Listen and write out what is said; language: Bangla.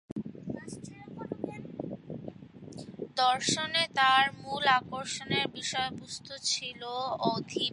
দর্শনে তার মূল আকর্ষণের বিষয়বস্তু ছিল অধিবিদ্যা।